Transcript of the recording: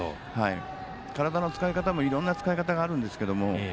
体の使い方もいろんな使い方があるんですけど